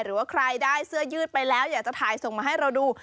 หรือว่าใครได้เสื้อยืดไปแล้วอยากจะถ่ายส่งมาให้เราดู